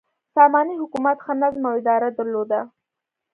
ساماني حکومت ښه نظم او اداره درلوده.